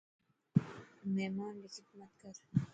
مهمان ري خدمت ڪر.